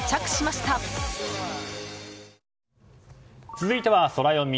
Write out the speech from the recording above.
続いてはソラよみ。